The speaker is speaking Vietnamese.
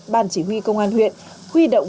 ban chỉ huy công an huyện huy động